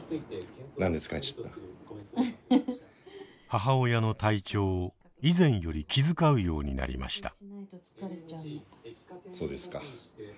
母親の体調を以前より気遣うようになりました。